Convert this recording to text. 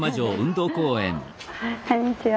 こんにちは。